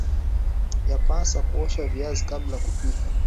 yapaasa kuosha viazi kabla ya kupika